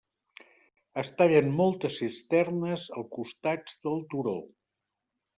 Es tallen moltes cisternes als costats del turó.